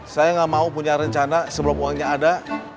saya nggak mau punya rencana sebelum uangnya ada